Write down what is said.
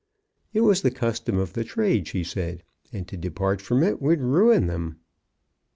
It was the custom of the trade, she said; and to depart from it would ruin them.